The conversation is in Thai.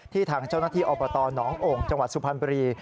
ทางเจ้าหน้าที่อบตหนองโอ่งจังหวัดสุพรรณบุรี